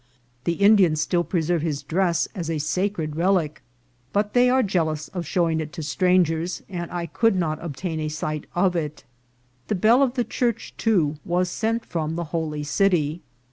The Indians still pre serve his dress as a sacred relic, but they are jealous of showing it to strangers, and I could not obtain a sight of it. The bell of the church, too, was sent from the holy city.